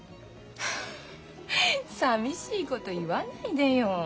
さみしいこと言わないでよ。